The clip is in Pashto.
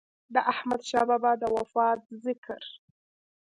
د احمد شاه بابا د وفات ذکر